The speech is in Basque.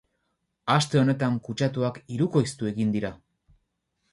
Aste honetan kutsatuak hirukoiztu egin dira.